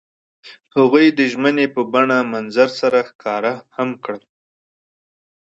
هغوی د ژمنې په بڼه منظر سره ښکاره هم کړه.